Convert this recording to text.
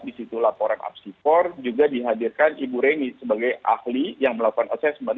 di situ laporan apsifor juga dihadirkan ibu reni sebagai ahli yang melakukan assessment